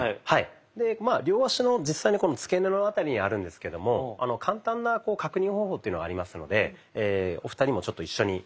まあ両足の実際にこのつけ根の辺りにあるんですけども簡単な確認方法というのがありますのでお二人もちょっと一緒に。